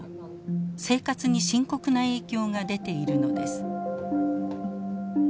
生活に深刻な影響が出ているのです。